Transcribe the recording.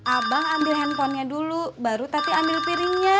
abang ambil handphonenya dulu baru tapi ambil piringnya